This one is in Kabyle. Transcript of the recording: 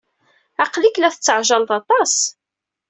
Aql-ik la tettaɛjaleḍ aṭas.